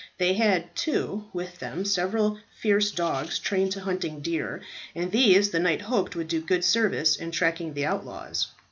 They had, too, with them several fierce dogs trained to hunting the deer, and these, the knight hoped, would do good service in tracking the outlaws.